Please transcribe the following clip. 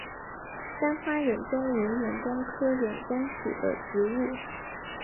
单花忍冬为忍冬科忍冬属的植物。